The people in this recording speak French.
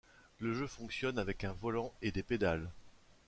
Le jeu fonctionne avec un volant et des pédales.